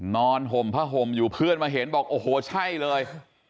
ห่มผ้าห่มอยู่เพื่อนมาเห็นบอกโอ้โหใช่เลย